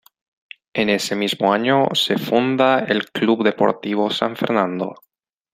En ese mismo año se funda el Club Deportivo San Fernando.